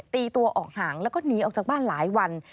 ตีตัวออกห่างแล้วก็หนีออกจากบ้านหลายวัน